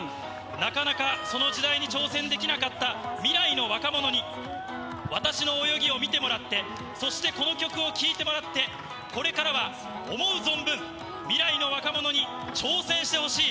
なかなかその時代に挑戦できなかった未来の若者に、私の泳ぎを見てもらって、そしてこの曲を聴いてもらって、これからは思う存分未来の若者に挑戦してほしい。